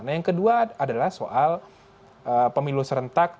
nah yang kedua adalah soal pemilu serentak